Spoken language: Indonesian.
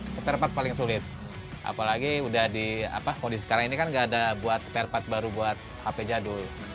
sperpat paling sulit apalagi kondisi sekarang ini kan tidak ada buat sperpat baru buat hp jadul